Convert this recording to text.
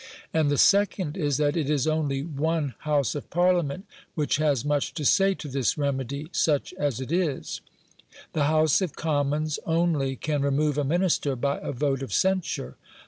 And the second is that it is only one House of Parliament which has much to say to this remedy, such as it is; the House of Commons only can remove a Minister by a vote of censure.